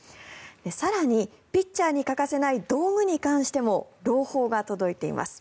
更に、ピッチャーに欠かせない道具に関しても朗報が届いています。